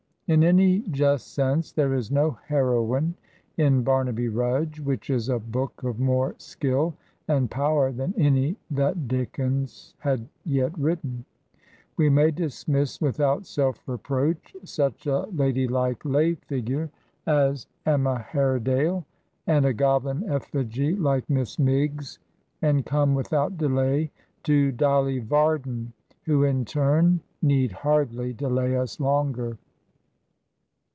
In any just sense there is no heroine in "Bamaby Rudge," which is a book of more skill and power than any that Dickens had yet written. We may dismiss without self reproach such a ladylike lay figure as 136 Digitized by VjOOQIC HEROINES OF DICKENS'S MIDDLE PERIOD Emma Haredale, and a goblin effigy like Miss Miggs, and come without delay to Dolly Varden, who, in turn, need hardly delay us longer.